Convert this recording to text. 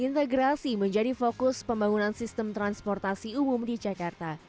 integrasi menjadi fokus pembangunan sistem transportasi umum di jakarta